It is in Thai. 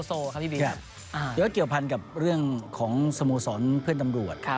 แล้วก็เกี่ยวพันกับเรื่องของสโมสรเพื่อนตำรวจ